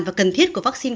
và cần thiết của vaccine